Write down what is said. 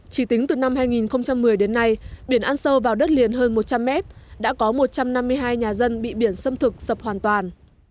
chỉ tính từ năm hai nghìn một mươi đến nay biển ăn sâu vào đất liền hơn một trăm linh mét đã có một trăm năm mươi hai nhà dân bị biển sâm thực sập hoàn toàn